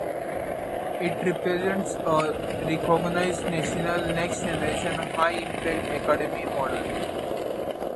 It represents a recognized national next-generation high-impact academic model.